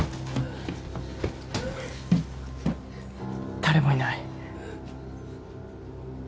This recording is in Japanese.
誰もいない。